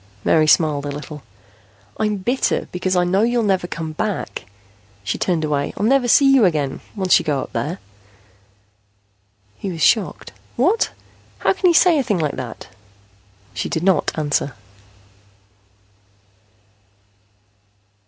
Mary smiled a little. "I'm bitter because I know you'll never come back." She turned away. "I'll never see you again, once you go up there." He was shocked. "What? How can you say a thing like that?" She did not answer.